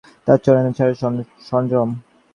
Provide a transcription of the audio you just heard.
তার উপরে চায়ের সরঞ্জাম।